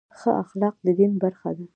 ښه اخلاق د دین برخه ده.